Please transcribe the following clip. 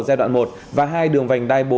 giai đoạn một và hai đường vành đai bốn